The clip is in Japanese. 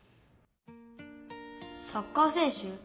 サッカー選手？